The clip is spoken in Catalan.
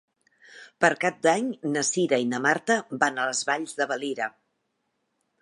Per Cap d'Any na Cira i na Marta van a les Valls de Valira.